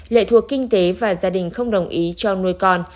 lệ thuộc kinh tế và gia đình không đồng ý cho nuôi con